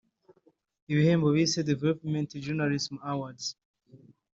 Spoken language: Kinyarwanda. ibihembo bise Development Journalism Awards